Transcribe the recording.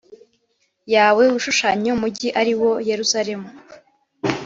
yawe wishushanyeho umugi ari wo Yeruzalemu